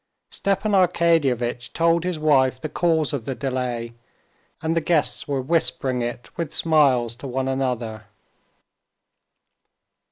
Stepan Arkadyevitch told his wife the cause of the delay, and the guests were whispering it with smiles to one another.